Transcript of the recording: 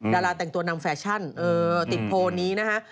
ดาราแต่งตัวนำแฟชั่นติดโพลนี้นะฮะ